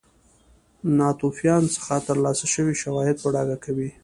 ناتوفیان څخه ترلاسه شوي شواهد په ډاګه کوي.